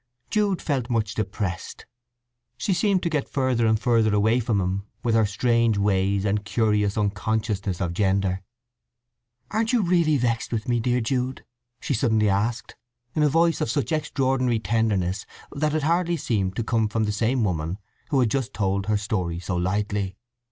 Jude felt much depressed; she seemed to get further and further away from him with her strange ways and curious unconsciousness of gender. "Aren't you really vexed with me, dear Jude?" she suddenly asked, in a voice of such extraordinary tenderness that it hardly seemed to come from the same woman who had just told her story so lightly.